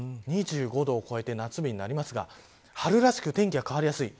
２５度を超えて夏日になりますが春らしく天気が変わりやすい。